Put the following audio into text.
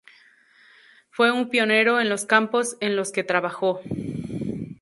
Fue un pionero en los campos en los que trabajó.